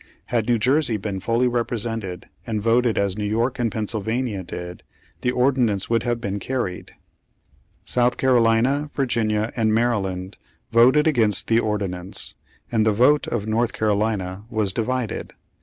Had New Jersey been Page Twelve fully represented and voted as New York and Pennsylvania did, the ordinance would have been carried. South Carolina, Virginia and Maryland voted against the ordinance, and the vote of North Carolina was divided.